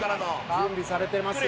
「準備されてますよ」